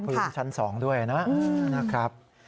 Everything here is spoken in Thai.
นักพื้นชั้น๒ด้วยนะ